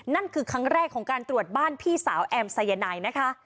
นั่นคือครั้งแรกของการตรวจบ้านพี่สาวแอมสายนายนะคะ